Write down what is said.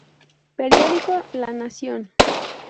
Periódico La Nación.